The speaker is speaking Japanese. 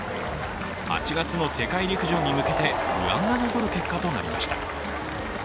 ８月の世界陸上に向けて不安が残る結果となりました。